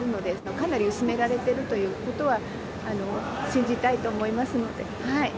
かなり薄められているということは、信じたいと思いますので。